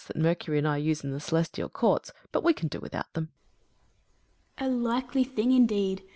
17 that Mercury and I use in the celestial courtS; but we can do without them. Atlas. A likely thing indeed